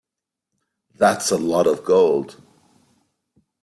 That's a lot of gold.